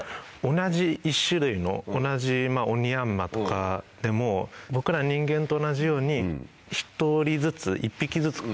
同じ１種類の同じオニヤンマとかでも僕ら人間と同じように１人ずつ。